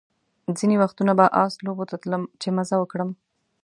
ځینې وختونه به آس لوبو ته تلم چې مزه وکړم.